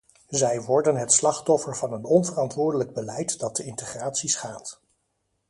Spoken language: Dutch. Zij worden het slachtoffer van een onverantwoordelijk beleid dat de integratie schaadt.